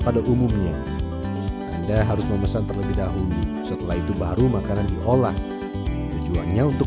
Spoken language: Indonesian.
pada umumnya anda harus memesan terlebih dahulu setelah itu baru makanan diolah tujuannya untuk